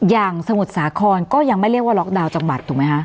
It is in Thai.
สมุทรสาครก็ยังไม่เรียกว่าล็อกดาวน์จังหวัดถูกไหมคะ